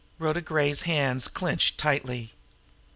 Rhoda Gray's hands clenched tightly.